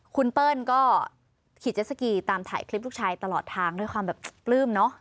คุณเปิ้ลก็ขี่เจสสกีตามถ่ายคลิปลูกชายตลอดทางด้วยความแบบปลื้มเนอะ